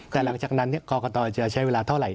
แต่หลังจากนั้นกรกตจะใช้เวลาเท่าไหร